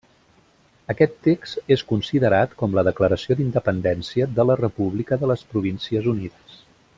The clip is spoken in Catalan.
Aquest text és considerat com la declaració d'independència de la república de les Províncies Unides.